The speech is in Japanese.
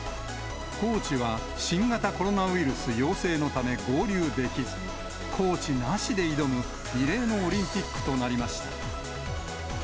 コーチは新型コロナウイルス陽性のため、合流できず、コーチなしで挑む異例のオリンピックとなりました。